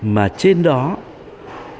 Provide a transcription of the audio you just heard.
mà trên đó chúng ta có thể kêu gọi các đặc khu